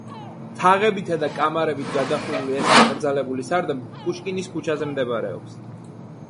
თაღებითა და კამარებით გადახურული ეს მოკრძალებული სარდაფი პუშკინის ქუჩაზე მდებარეობს.